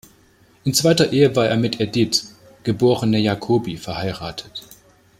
In zweiter Ehe war er mit Edith, geborene Jacobi, verheiratet.